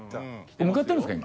向かってるんですか？